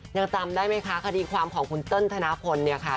ยังจำได้ไหมคะคดีความของคุณเติ้ลธนพลเนี่ยค่ะ